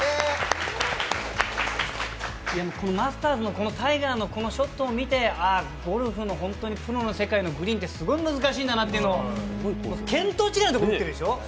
マスターズのこのタイガーのショットを見てゴルフの本当にプロの世界のグリーンって、すごい難しいんだなっていうだって見当違いなところに打ってるでしょ？